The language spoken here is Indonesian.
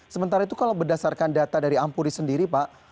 sementara itu kalau berdasarkan data dari ampuri sendiri pak